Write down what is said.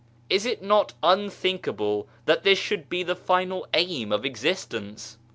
Is it not unthinkable that this should be the final aim of existence ?